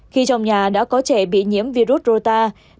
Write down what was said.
khi trong nhà đã có trẻ bị nhiễm virus rota